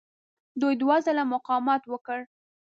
دوی دوه ځله مقاومت وکړ.